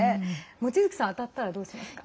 望月さん当たったら、どうしますか？